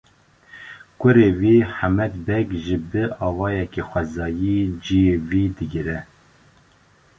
Kurê wî Hemed Beg jî bi awayekî xwezayî ciyê wî digire.